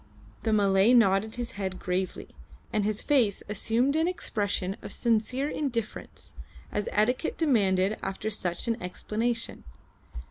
The Malay nodded his head gravely, and his face assumed an expression of serene indifference, as etiquette demanded after such an explanation.